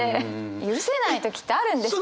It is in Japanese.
許せない時ってあるんですよ。